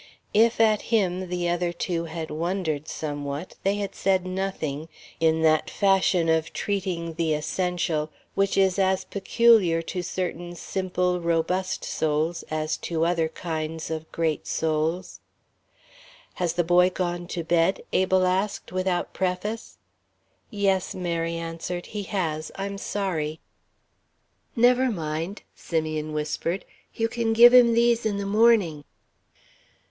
If at him the other two had wondered somewhat, they had said nothing, in that fashion of treating the essential which is as peculiar to certain simple, robust souls as to other kinds of great souls. "Has the boy gone to bed?" Abel asked without preface. "Yes," Mary answered, "he has. I'm sorry." "Never mind," Simeon whispered, "you can give him these in the morning."